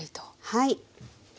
はい。